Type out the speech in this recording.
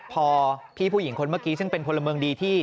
พอพี่ผู้หญิงคนเมื่อกี้ซึ่งเป็นพลเมืองดีที่